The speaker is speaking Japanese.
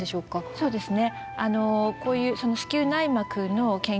そうですね。